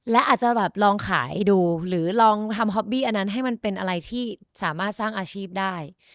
และอาจจะแบบลองขายดูหรือลองทำฮอบบี้อันนั้นให้มันเป็นอะไรที่สามารถสร้างอาชีพได้